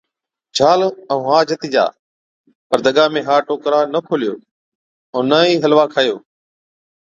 جھال ائُون ها جتِي جا۔ پَر دگا ۾ ها ٽوڪرا نہ کوليو، ائُون نہ ئِي حلوا کائِيو۔